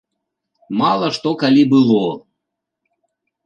Мала што калі было.